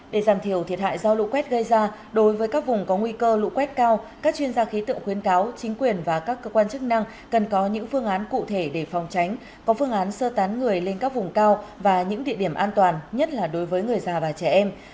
để giảm thiểu thiệt hại do lũ quét gây ra đối với các vùng có nguy cơ lũ quét cao các chuyên gia khí tượng khuyến cáo chính quyền và các cơ quan chức năng cần có những phương án cụ thể để phòng tránh có phương án sơ tán người lên các vùng cao và những địa điểm an toàn nhất là đối với người già và trẻ em